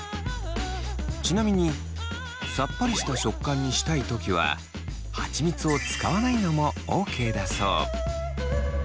ちなみにさっぱりした食感にしたい時はハチミツを使わないのもＯＫだそう。